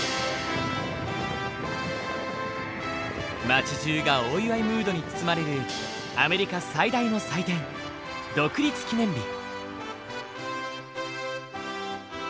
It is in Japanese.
街じゅうがお祝いムードに包まれるアメリカ最大の祭典独立記念日。